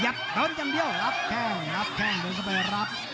พยับต้นจำเดียวรับแข้งรับแข้งโดยก็ไปรับ